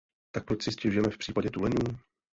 Tak proč si stěžujeme v případě tuleňů?